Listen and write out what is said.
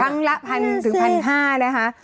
ครั้งละ๑๐๐ถึง๑๕๐๐นะคะ